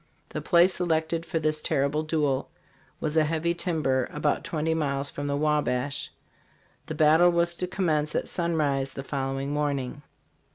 The place selected for this terrible duel was a heavy timber about twenty miles from the Wabash. The battle was to commence at sun rise the following morning.